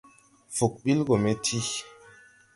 Fug ɓil gɔ me ti.